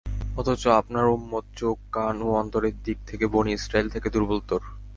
অথচ আপনার উম্মত চোখ, কান ও অন্তরের দিক থেকে বনী ইসরাঈল থেকে দুর্বলতর।